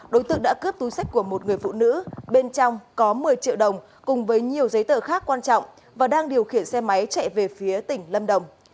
đối tượng đã cướp túi sách của một người phụ nữ bên trong có một mươi triệu đồng cùng với nhiều giấy tờ khác quan trọng và đang điều khiển xe máy chạy về phía tỉnh lâm đồng